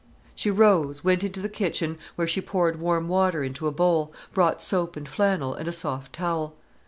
She rose, went into the kitchen, where she poured warm water into a bowl, brought soap and flannel and a soft towel.